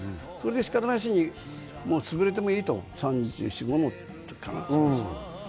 それでしかたなしにもうつぶれてもいいと３４３５のときかな？